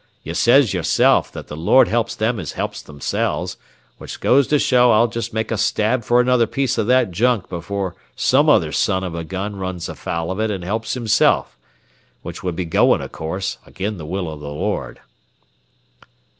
You says yourself that the Lord helps them as helps themselves, which goes to show I'll just make a stab for another piece o' that junk before some other son of a gun runs afoul of it an' helps himself. Which would be goin', o' course, agin the will o' the Lord."